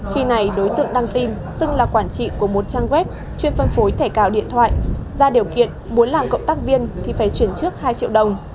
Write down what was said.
khi này đối tượng đăng tin xưng là quản trị của một trang web chuyên phân phối thẻ cào điện thoại ra điều kiện muốn làm cộng tác viên thì phải chuyển trước hai triệu đồng